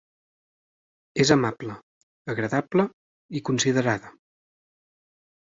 És amable, agradable i considerada.